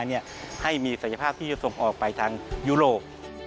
ให้มีความสัญญาภาพที่จะส่งออกไปทางยุโรป